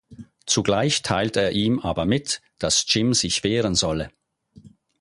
Zugleich teilt er ihm aber mit, dass Jim sich wehren solle.